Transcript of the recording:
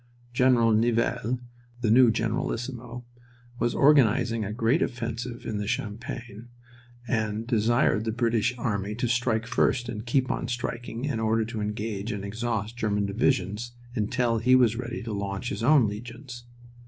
General Nivelle, the new generalissimo, was organizing a great offensive in the Champagne and desired the British army to strike first and keep on striking in order to engage and exhaust German divisions until he was ready to launch his own legions.